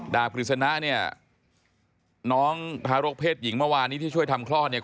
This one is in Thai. กฤษณะเนี่ยน้องทารกเพศหญิงเมื่อวานนี้ที่ช่วยทำคลอดเนี่ย